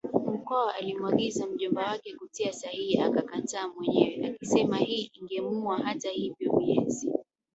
Mkwawa alimwagiza mjomba wake kutia sahihi akakataa mwenyewe akisema hii ingemwuaHata hivyo miezi